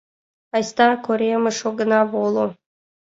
— Айста коремыш огына воло.